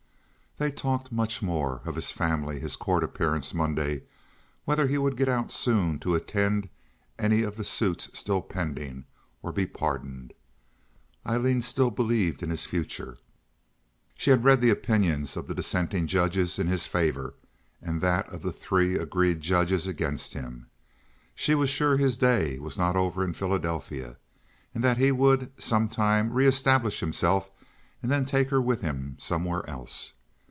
They talked much more—of his family, his court appearance Monday, whether he would get out soon to attend any of the suits still pending, or be pardoned. Aileen still believed in his future. She had read the opinions of the dissenting judges in his favor, and that of the three agreed judges against him. She was sure his day was not over in Philadelphia, and that he would some time reestablish himself and then take her with him somewhere else.